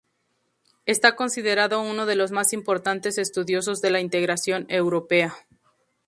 Está considerado uno de los más importantes estudiosos de la integración europea.